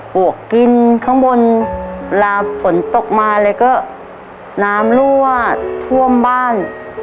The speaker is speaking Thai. หวกินข้างบน